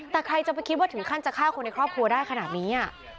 แต่ใครจะไปคิดว่าถึงขั้นจะฆ่าคนในครอบครัวได้ขนาดนี้